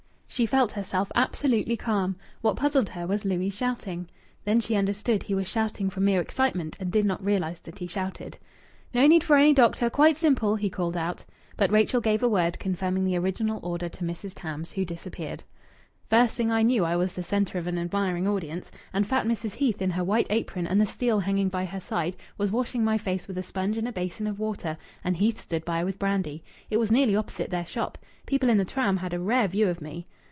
She felt herself absolutely calm. What puzzled her was Louis' shouting. Then she understood he was shouting from mere excitement and did not realize that he shouted. "No need for any doctor! Quite simple!" he called out. But Rachel gave a word confirming the original order to Mrs. Tams, who disappeared. "First thing I knew I was the centre of an admiring audience, and fat Mrs. Heath, in her white apron and the steel hanging by her side, was washing my face with a sponge and a basin of water, and Heath stood by with brandy. It was nearly opposite their shop. People in the tram had a rare view of me."